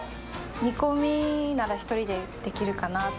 煮込みなら１人でできるかなと。